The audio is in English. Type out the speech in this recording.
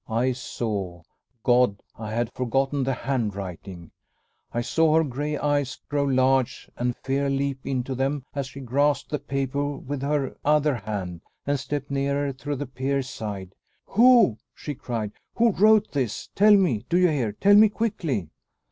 I saw God! I had forgotten the handwriting! I saw her gray eyes grow large and fear leap into them as she grasped the paper with her other hand, and stepped nearer to the peer's side. "Who," she cried, "who wrote this? Tell me! Do you hear? Tell me quickly!"